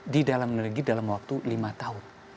di dalam negeri dalam waktu lima tahun